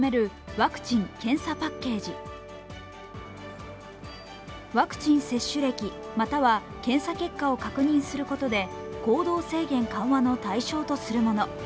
ワクチン接種歴または検査結果を確認することで行動制限緩和の対象とするもの。